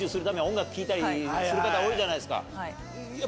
聴いたりする方多いじゃないですか。